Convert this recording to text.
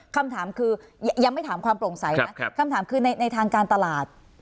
คำถามคือยังไม่ถามความโปร่งใสนะคำถามคือในทางการตลาด